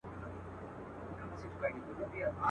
له عرب تر چین ماچینه مي دېرې دي.